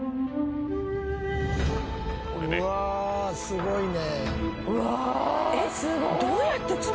うわすごいね。